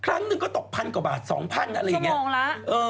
ครั้งหนึ่งก็ตกพันกว่าบาทสองพันอะไรอย่างนี้ทองละ